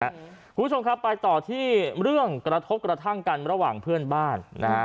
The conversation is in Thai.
คุณผู้ชมครับไปต่อที่เรื่องกระทบกระทั่งกันระหว่างเพื่อนบ้านนะฮะ